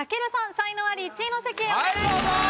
才能アリ１位の席へお願いします。